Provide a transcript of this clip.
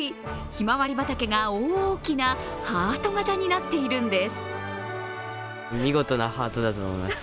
ひまわり畑が大きなハート形になっているんです。